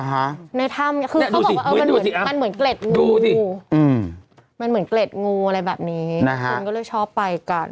ในถ้ำคือเขาบอกว่ามันเหมือนเกล็ดงูดูดิมันเหมือนเกล็ดงูอะไรแบบนี้คุณก็เลยชอบไปกัน